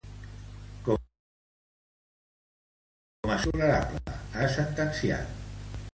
Com a servidors públics això ja és intolerable, ha sentenciat.